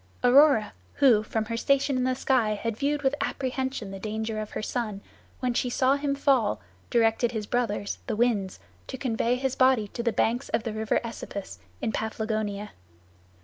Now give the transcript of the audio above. Aurora, who from her station in the sky had viewed with apprehension the danger of her son, when she saw him fall, directed his brothers, the Winds, to convey his body to the banks of the river Esepus in Paphlagonia.